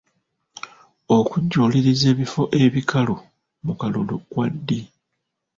Okujjuliriza ebifo ebikalu mu kalulu kwa ddi?